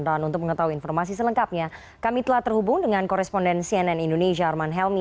dan untuk mengetahui informasi selengkapnya kami telah terhubung dengan koresponden cnn indonesia arman helmi